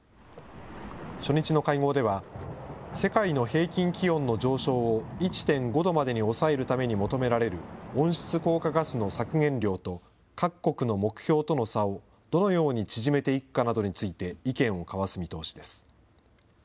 初日の会合では、世界の平均気温の上昇を１．５度までに抑えるために求められる温室効果ガスの削減量と、各国の目標との差を、どのように縮めていくかなどについて意見を交わす見通しです。